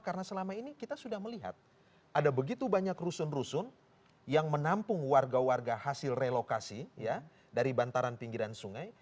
karena selama ini kita sudah melihat ada begitu banyak rusun rusun yang menampung warga warga hasil relokasi ya dari bantaran pinggiran sungai